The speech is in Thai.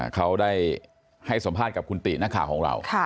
เขาได้ให้สัมภาษณ์กับคุณตินักข่าวของเรา